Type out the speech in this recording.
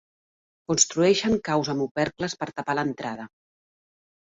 Construeixen caus amb opercles per tapar l'entrada.